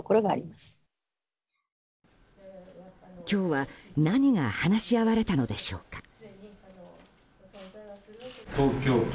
今日は何が話し合われたのでしょうか。